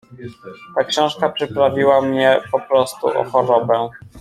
"Ta książka przyprawiła mnie poprostu o chorobę."